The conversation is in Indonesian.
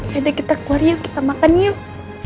ya udah kita keluar ya kita makan yuk